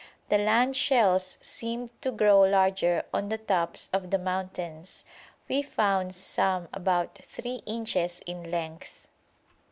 The land shells seemed to grow larger on the tops of the mountains. We found some about 3 inches in length.